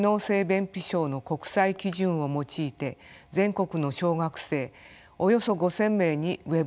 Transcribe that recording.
便秘症の国際基準を用いて全国の小学生およそ５，０００名にＷｅｂ調査を行いました。